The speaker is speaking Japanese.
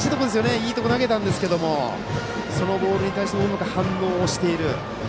いいところへ投げたんですがそのボールに対してもうまく反応している。